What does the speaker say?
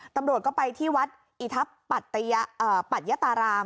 ตำรวจก็ไปที่วัดอิทัพปัจยตาราม